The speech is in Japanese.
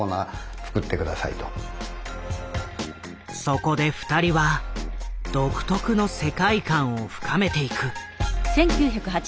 そこで二人は独特の世界観を深めていく。